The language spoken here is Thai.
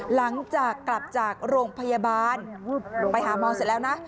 หลังจากกลับจากโรงพยาบาลไปหาหมอเสร็จแล้วนะ